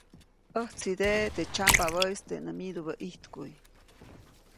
ʼÄjtsideʼe teʼ tsyambabäʼis teʼ nä myidubä ʼijtkuʼy.